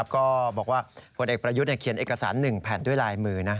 ก็บอกว่าผลเอกประยุทธ์เขียนเอกสาร๑แผ่นด้วยลายมือ